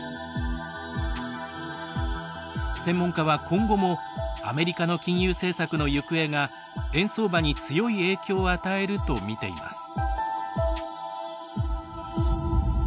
専門家は今後もアメリカの金融政策の行方が円相場に強い影響を与えるとみています。